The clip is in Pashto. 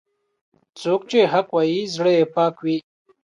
څوک چې حق وايي، زړه یې پاک وي.